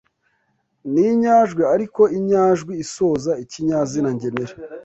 n’inyajwi ariko inyajwi isoza ikinyazina ngenera